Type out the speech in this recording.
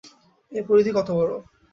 এর পরিধি কত বড়?